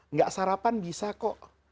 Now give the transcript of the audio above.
tidak sarapan bisa kok